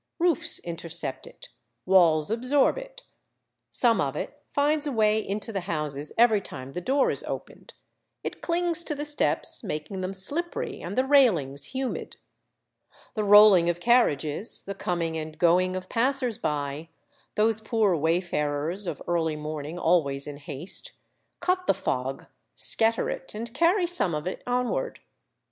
Roofs intercept it, walls absorb it, some of it finds a way into the houses every time the door is opened ; it clings to the steps, making them slippery and the railings humid. The rolling of carriages, the coming and going of passers by — those poor way farers of early morning, always in haste — cut the fog, scatter it, and carry some of it onward.